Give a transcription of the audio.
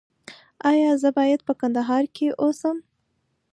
ایا زه باید په کندهار کې اوسم؟